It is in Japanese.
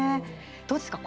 どうですか？